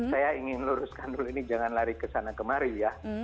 saya ingin luruskan dulu ini jangan lari ke sana kemari ya